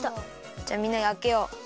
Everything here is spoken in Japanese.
じゃあみんなであけよう。